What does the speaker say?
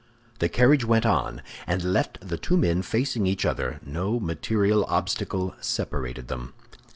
The carriage went on, and left the two men facing each other; no material obstacle separated them.